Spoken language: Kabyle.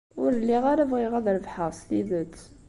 Ur lliɣ ara bɣiɣ ad rebḥeɣ s tidet.